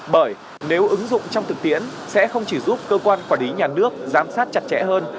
bởi nếu ứng dụng trong thực tiễn sẽ không chỉ giúp cơ quan quản lý nhà nước giám sát chặt chẽ hơn